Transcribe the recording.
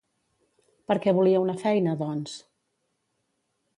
Per què volia una feina, doncs?